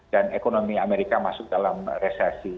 dan ekonomi amerika masuk dalam resesi